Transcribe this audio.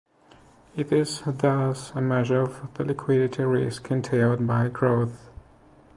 It is thus a measure of the liquidity risk entailed by growth.